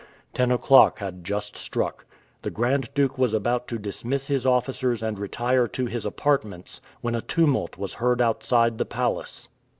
Ten o'clock had just struck. The Grand Duke was about to dismiss his officers and retire to his apartments, when a tumult was heard outside the palace.